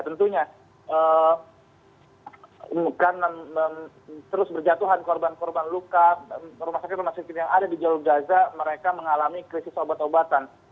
tentunya bukan terus berjatuhan korban korban luka rumah sakit rumah sakit yang ada di jalur gaza mereka mengalami krisis obat obatan